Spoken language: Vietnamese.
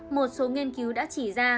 một số nghiên cứu đã chỉ ra